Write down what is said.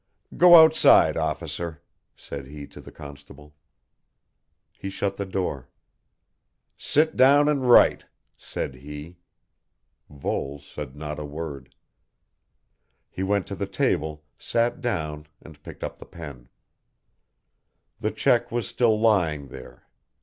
"Go outside, officer," said he to the constable. He shut the door. "Sit down and write," said he. Voles said not a word. He went to the table, sat down and picked up the pen. The cheque was still lying there.